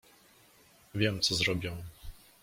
Wiem, co zrobię!